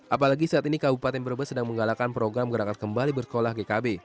apalagi saat ini kabupaten brebes sedang menggalakan program gerakan kembali bersekolah gkb